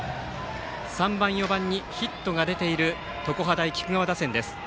３番、４番にヒットが出ている常葉大菊川打線です。